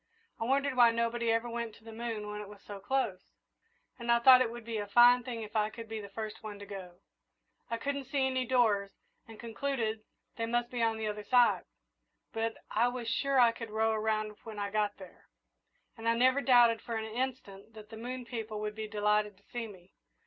I wondered why nobody ever went to the moon when it was so close, and I thought it would be a fine thing if I could be the first one to go. I couldn't see any doors, and concluded they must be on the other side; but I was sure I could row around when I got there, and I never doubted for an instant that the moon people would be delighted to see me.